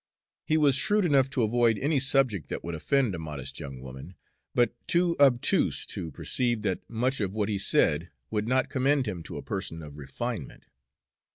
He was shrewd enough to avoid any subject which would offend a modest young woman, but too obtuse to perceive that much of what he said would not commend him to a person of refinement.